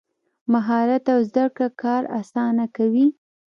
مهارت او زده کړه کار اسانه کوي.